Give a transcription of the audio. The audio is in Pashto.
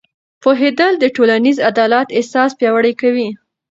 پوهېدل د ټولنیز عدالت احساس پیاوړی کوي.